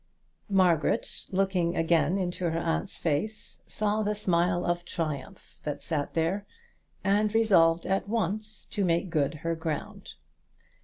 Margaret, looking again into her aunt's face, saw the smile of triumph that sat there, and resolved at once to make good her ground.